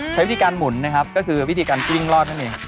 ใช้วิธีการหมุนนะครับก็คือวิธีการกลิ้งรอดนั่นเอง